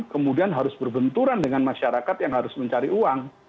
kemudian harus berbenturan dengan masyarakat yang harus mencari uang